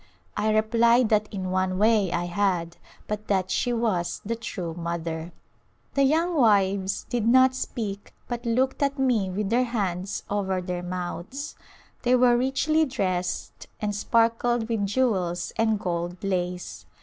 I replied that in one way I had but that she was the true mother. The young wives did not speak but looked at me with their hands over their mouths. They were richly dressed and sparkled with jewels and gold lace.